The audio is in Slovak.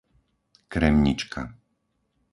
Kremnička